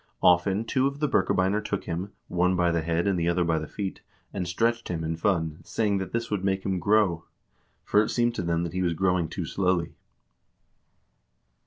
Often two of the Birkebeiner took him, one by the head and the other by the feet, and stretched him in fun, saying that this would make him grow; for it seemed to them that he was growing too slowly."